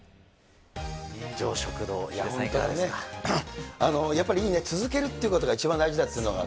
人情食堂、ヒデさん、いかがやっぱりいいね、続けるってことが一番大事だっていうのが。